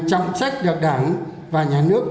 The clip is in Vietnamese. trọng trách được đảng và nhà nước